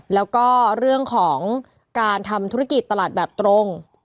แล้วก็เรื่องของการทำธุรกิจตลาดแบบตรง